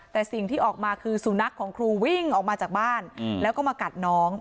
แต่สิ่งที่ออกมาคือสุนัขของครูวิ่งออกมาจากบ้านแล้วก็มากัดน้อง